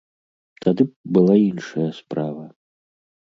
Тады б была іншая справа.